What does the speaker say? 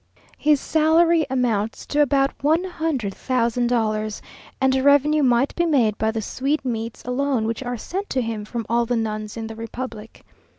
His salary amounts to about one hundred thousand dollars, and a revenue might be made by the sweetmeats alone which are sent him from all the nuns in the republic.